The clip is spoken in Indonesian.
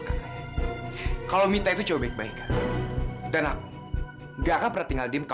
nih sayangin aja